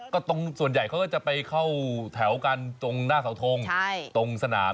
ก็งูก็อยากจะเข้าแถวเคารพทงชาติยืนตรงหรือเปล่า